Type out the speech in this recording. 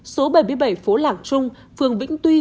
số bảy mươi bảy phố lạc trung phường vĩnh tuy